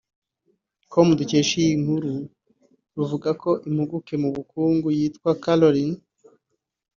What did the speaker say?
com dukesha iyi nkuru ruvuga ko impuguke mu by’uburumbuke yitwa Carolyn